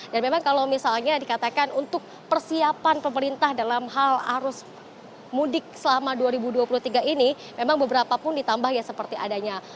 dan memang kalau misalnya dikatakan untuk persiapan pemerintah dalam hal arus mudik selama dua ribu dua puluh tiga ini memang beberapa pun ditambah ya seperti adanya